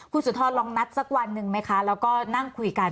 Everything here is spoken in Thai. คุณสุนทรลองนัดสักวันหนึ่งไหมคะแล้วก็นั่งคุยกัน